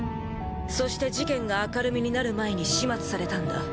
そして事件が明るみになる前に始末されたんだ。